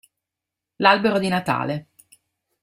L'albero di Natale